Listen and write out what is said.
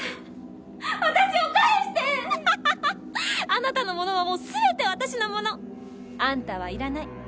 あなたのものはもう全て私のもの。あんたはいらない。